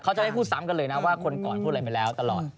เขาจะได้พูดซ้ำกันเลยนะว่าคนก่อนพูดอะไรไปแล้วตลอด